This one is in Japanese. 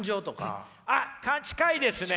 あっ近いですね！